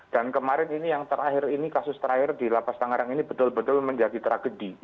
dan kemarin ini yang terakhir ini kasus terakhir di lapas tangerang ini betul betul menjadi tragedi